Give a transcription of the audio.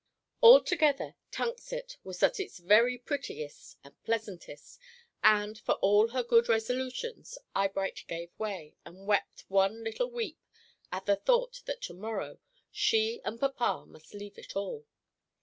Altogether, Tunxet was at its very prettiest and pleasantest, and, for all her good resolutions, Eyebright gave way, and wept one little weep at the thought that to morrow she and papa must leave it all.